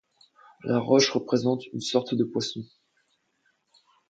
La roche représente une sorte de poisson.